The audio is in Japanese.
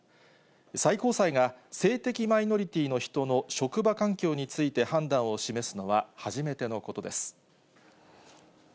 最高裁が性的マイノリティーの人の職場環境について判断を示すのは初めてのことです。